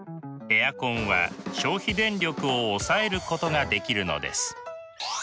エアコンは消費電力を抑えることができるのです。